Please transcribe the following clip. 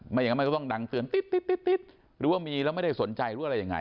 อย่างนั้นมันก็ต้องดังเตือนติ๊ดหรือว่ามีแล้วไม่ได้สนใจหรืออะไรยังไง